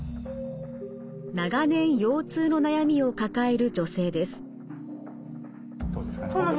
長年腰痛の悩みを抱える女性です。